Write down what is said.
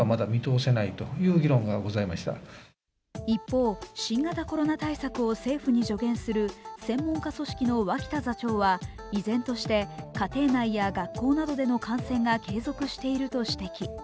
一方、新型コロナ対策を政府に助言する専門家組織の脇田座長は依然として家庭内や学校などでの感染が継続していると指摘。